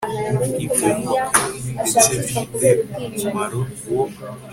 ibyungo kandi, ndetse bifite umumaro wo